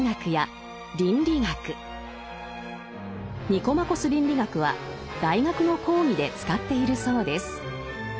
「ニコマコス倫理学」は大学の講義で使っているそうです。